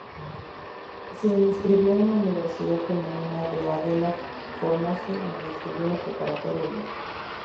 Se inscribió en la Universidad Femenina de Adela Formoso donde estudió la preparatoria abierta.